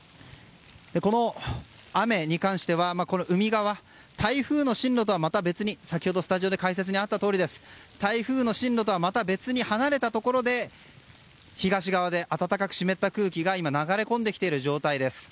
この雨に関しては海側台風の進路とはまた別に、先ほどスタジオで解説があったように台風の進路とは別に離れたところで東側で暖かく湿った空気が流れ込んできている状態です。